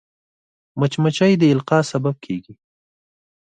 مچمچۍ د القاح سبب کېږي